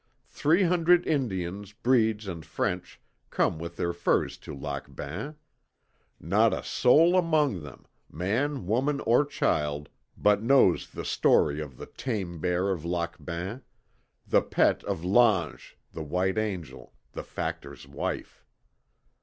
Three hundred Indians, breeds and French, come with their furs to Lac Bain. Not a soul among them man, woman, or child but knows the story of the "tame bear of Lac Bain" the pet of l'ange, the white angel, the Factor's wife.